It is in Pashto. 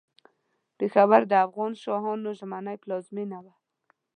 پېښور د افغان شاهانو ژمنۍ پلازمېنه وه.